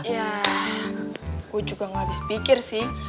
ya aku juga gak habis pikir sih